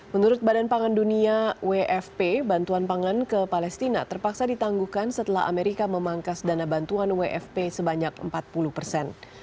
menurut badan pangan dunia wfp bantuan pangan ke palestina terpaksa ditangguhkan setelah amerika memangkas dana bantuan wfp sebanyak empat puluh persen